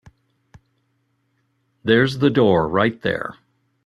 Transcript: There's the door right there.